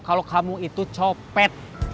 kalau kamu itu copet